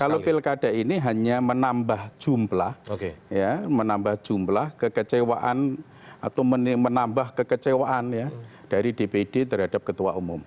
kalau pilkada ini hanya menambah jumlah kekecewaan dari dpd terhadap ketua umum